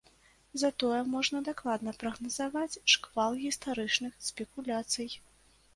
Затое можна дакладна прагназаваць шквал гістарычных спекуляцый.